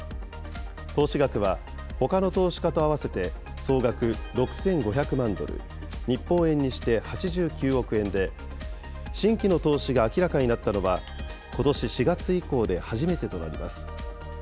投資額は、ほかの投資家と合わせて総額６５００万ドル、日本円にして８９億円で、新規の投資が明らかになったのは、ことし４月以降で初めてとなります。